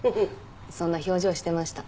そんな表情してました。